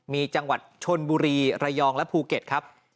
มีจังหวัดชนบุรีระยองและภูเก็ตครับ